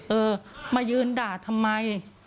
เออมายืนด่าทำไม